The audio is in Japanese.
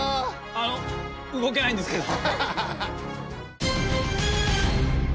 あのうごけないんですけど。